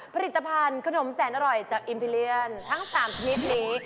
ผลิตภัณฑ์ขนมแสนอร่อยจากอิมพิเลียนทั้ง๓ชนิดนี้